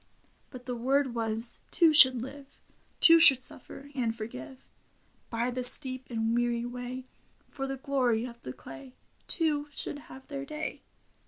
But the word was, two should live : Two should suffer — and forgive : By the steep and weary way. For the glory of the clay. Two should have their day.